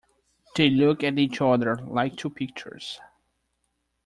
They look at each other, like two pictures.